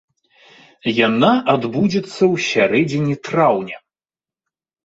Яна адбудзецца ў сярэдзіне траўня.